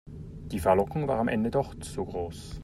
Die Verlockung war am Ende doch zu groß.